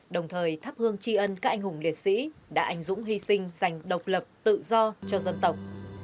đồng thời thắp hương tri ân các anh hùng liệt sĩ đã ảnh dũng hy sinh dành độc lập tự do cho dân tộc